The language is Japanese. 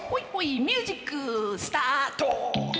ミュージックスタート！